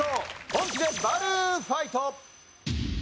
本気でバルーンファイト。